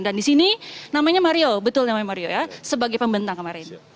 dan di sini namanya mario betul namanya mario ya sebagai pembentang kemarin